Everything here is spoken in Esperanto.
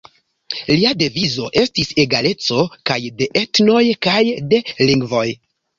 Lia devizo estis egaleco kaj de etnoj kaj de lingvoj.